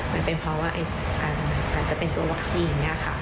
มันเป็นเพราะว่าการจะเป็นตัววัคซีนค่ะ